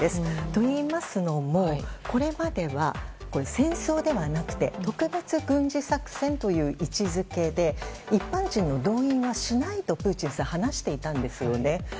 と、いいますのもこれまでは戦争ではなくて特別軍事作戦という位置づけで一般人の動員はしないと、プーチンさん話していたんですよね。